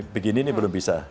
begini ini belum bisa